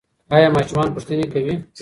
ایا ماشومان پوښتني کوي؟